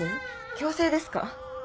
強制ですか？